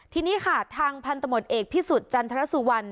ทีนี้ค่ะทางพันธมตเอกพิสุทธิ์จันทรสุวรรณ